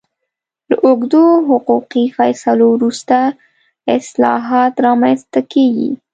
له اوږدو حقوقي فیصلو وروسته اصلاحات رامنځته کېږي.